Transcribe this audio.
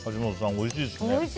おいしいです。